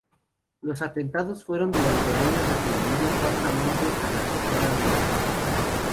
Los atentados fueron durante años atribuidos falsamente a las Brigadas Rojas.